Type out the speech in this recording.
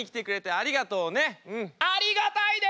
ありがたいで！